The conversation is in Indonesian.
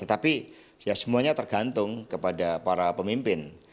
tetapi ya semuanya tergantung kepada para pemimpin